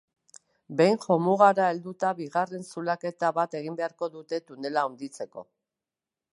Behin jomugara helduta bigarren zulaketa bat egin beharko dute tunela handitzeko.